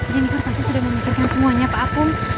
jennifer pasti sudah memikirkan semuanya pak akung